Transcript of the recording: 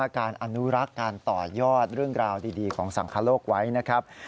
การอนุรักษ์การต่อยอดเรื่องราวดีของสังคโลกไว้นะครับ